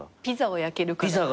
ピザを焼けるから。